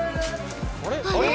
あれ？